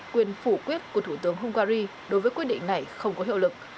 quyền phủ quyết của thủ tướng hungary đối với quyết định này không có hiệu lực